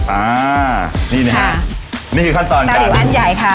อ่านี่นะฮะนี่คือขั้นตอนการอยู่อันใหญ่ค่ะ